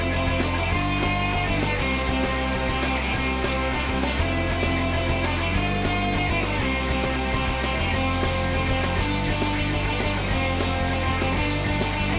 sampai jumpa lagi